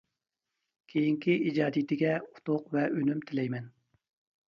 كېيىنكى ئىجادىيىتىگە ئۇتۇق ۋە ئۈنۈم تىلەيمەن.